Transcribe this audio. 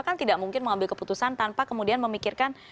kan tidak mungkin mengambil keputusan tanpa kemudian memikirkan